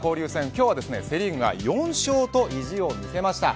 今日はセ・リーグが４勝と意地を見せました。